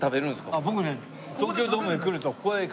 あっ僕ね。